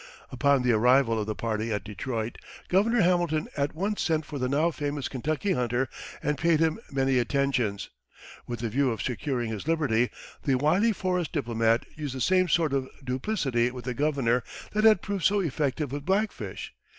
Upon the arrival of the party at Detroit Governor Hamilton at once sent for the now famous Kentucky hunter and paid him many attentions. With the view of securing his liberty, the wily forest diplomat used the same sort of duplicity with the governor that had proved so effective with Black Fish.